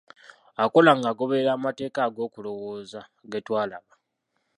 Akola ng'agoberera amateeka ag'okulowooza, ge twalaba.